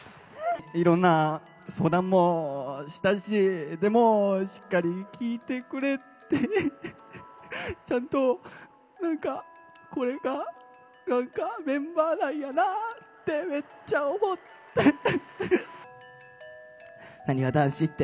いろんな相談もしたし、でもしっかり聞いてくれて、ちゃんとなんか、これがなんかメンバーなんやなぁって、めっちゃ思って。